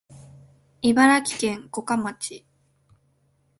茨城県五霞町